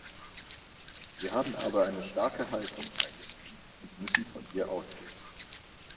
Wir haben aber eine starke Haltung eingenommen und müssen von ihr ausgehen.